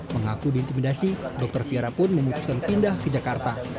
mengaku diintimidasi dokter fiera pun memutuskan pindah ke jakarta